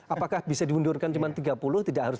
apakah bisa diundurkan cuma tiga puluh tidak harus